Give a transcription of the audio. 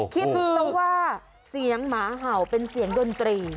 คิดแล้วว่าเสียงหมาเห่าเป็นเสียงดนตรี